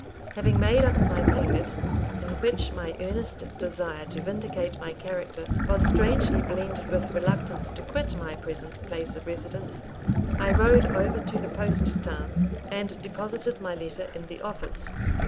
Having made up my packet, in which my earnest desire to vindicate my character was strangely blended with reluctance to quit my present place of residence, I rode over to the post town, and deposited my letter in the office.